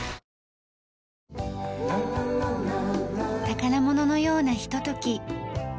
宝物のようなひととき。